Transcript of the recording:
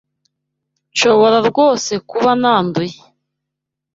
Nshobora rwose kuba nanduye!